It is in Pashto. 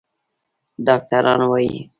ډاکتران وايي